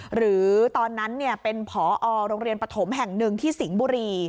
หรือตอนนั้นเป็นผอโรงเรียนปฐมแห่งหนึ่งที่สิงห์บุรี